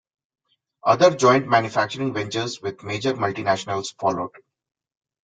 Other joint manufacturing ventures with major multinationals followed.